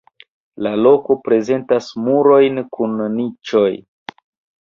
La loko prezentas murojn kun niĉoj.